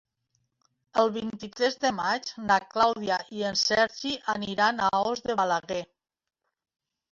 El vint-i-tres de maig na Clàudia i en Sergi aniran a Os de Balaguer.